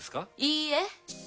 いいえ！